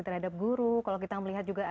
terhadap guru kalau kita melihat juga